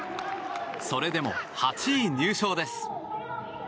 それでも８位入賞です。